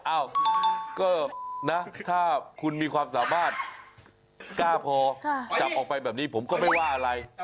เอ้าก็นะถ้าคุณมีความสามารถกล้าพอจับออกไปแบบนี้ผมก็ไม่ว่าอะไร